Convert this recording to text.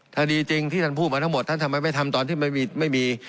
ถ้าดีจริงที่ท่านพูดมาทั้งหมดท่านทำไมไม่ทำตอนที่ไม่มีไม่มี